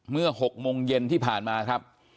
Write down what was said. เมื่อ๖โมงเย็นที่ผ่านมาครับ